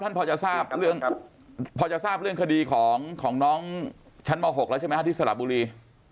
ท่านครับท่านพอจะทราบเรื่องขดีของน้องชั้นเมาท์๖แล้วใช่ไหมครับที่สระบุรี